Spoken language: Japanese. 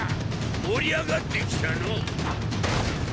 盛り上がってきたのォ。